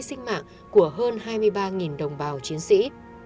sinh mạng của hơn hai mươi ba đồng bào chiến sĩ